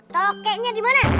toke nya dimana